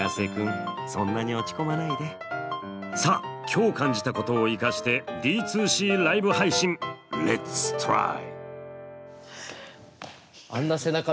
さあ今日感じたことを生かしてＤ２Ｃライブ配信Ｌｅｔ’ｓｔｒｙ！